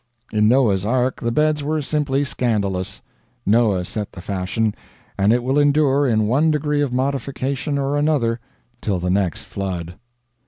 In Noah's Ark the beds were simply scandalous. Noah set the fashion, and it will endure in one degree of modification or another till the next flood.